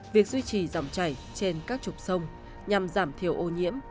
việc duy trì dòng chảy trên các trục sông nhằm giảm thiểu ô nhiễm